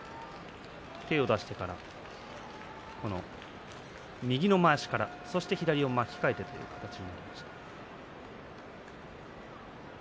手を出してから右のまわしから左を巻き替えての形になりました。